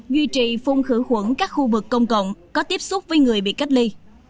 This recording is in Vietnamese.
duy trì phun khử khuẩn các khu vực công cộng có tiếp xúc với người bị cách ly